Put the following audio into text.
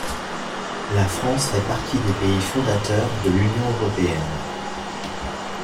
La France fait partie des pays fondateurs de l'Union européenne.